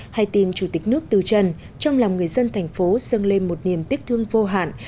hãy tin chủ tịch nước tư trần trong lòng người dân thành phố dâng lên một niềm tiếc thương vô hạn